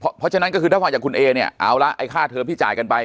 เพราะฉะนั้นก็คือถ้าฟังจากคุณเอเนี่ยเอาละไอ้ค่าเทอมที่จ่ายกันไป